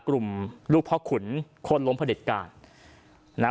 กลุ่มลูกพ่อขุนคนลมพระเด็ดกาลนะฮะ